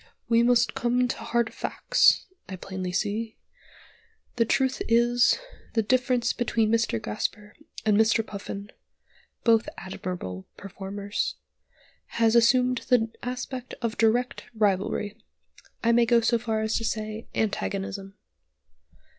"We must come to hard facts, I plainly see. The truth is, the difference between Mr. Gasper and Mr. Puffin (both admirable performers) has assumed the aspect of direct rivalry; I may go so far as to say, antagonism.